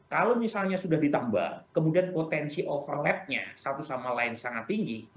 kalau misalnya sudah ditambah kemudian potensi overlapnya satu sama lain sangat tinggi